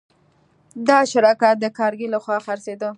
دا شرکت د کارنګي لهخوا خرڅېده